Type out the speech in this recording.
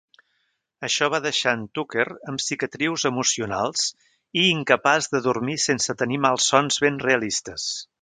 Això va deixar en Tucker amb cicatrius emocionals i incapaç de dormir sense tenir malsons ben realistes.